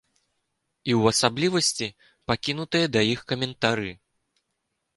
І ў асаблівасці пакінутыя да іх каментары.